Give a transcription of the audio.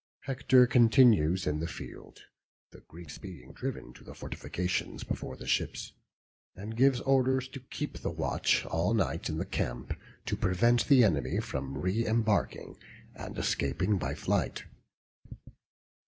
Hector continues in the field, (the Greeks being driven to their fortifications before the ships,) and gives orders to keep the watch all night in the camp, to prevent the enemy from re embarking and escaping by flight.